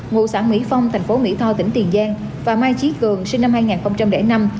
ngụ xã mỹ phong thành phố mỹ tho tỉnh tiền giang và mai trí cường sinh năm hai nghìn năm